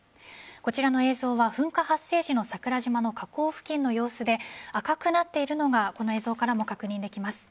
こちらの映像は噴火発生時の桜島の火口付近の様子で赤くなっているのがこの映像からも確認できます。